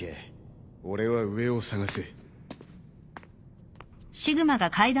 俺は上を捜す。